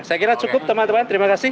saya kira cukup teman teman terima kasih